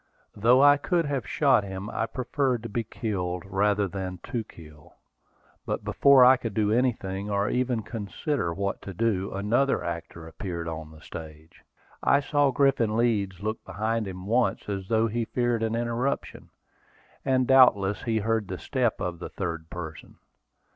Though I could have shot him, I preferred to be killed rather than to kill. But before I could do anything, or even consider what to do, another actor appeared on the stage. I saw Griffin Leeds look behind him once, as though he feared an interruption, and doubtless he heard the step of the third person.